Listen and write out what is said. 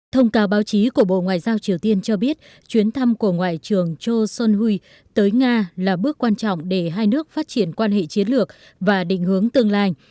thông cáo báo chí của bộ ngoại giao triều tiên cho biết chuyến thăm của ngoại trưởng john hui tới nga là bước quan trọng để hai nước phát triển quan hệ chiến lược và định hướng tương lai